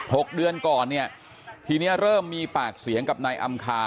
หกเดือนก่อนเนี่ยทีเนี้ยเริ่มมีปากเสียงกับนายอำคา